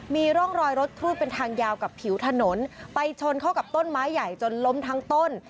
มีร่องรอยรถครูดเป็นทางยาวกับผิวถนนไปชนเข้ากับต้นไม้ใหญ่จนล้มทั้งต้น